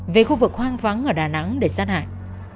về khu vực hoang vắng ở đà nẵng để sát hại